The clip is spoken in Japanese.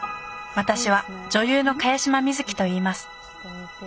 私は女優の茅島みずきといいます